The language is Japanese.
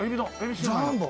ジャンボ。